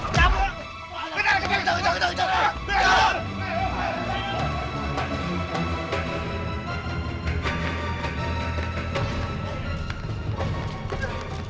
jangan jangan jangan